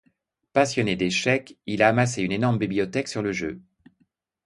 Passionné d'échecs, il a amassé une énorme bibliothèque sur le jeu.